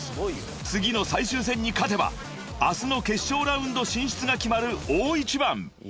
［次の最終戦に勝てば明日の決勝ラウンド進出が決まる大一番］